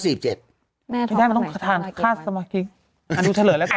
ไม่ได้ต้องกระทานค่าสมกริก